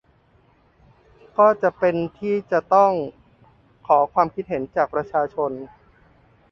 ก็จะเป็นที่จะต้องขอความคิดเห็นจากประชาชน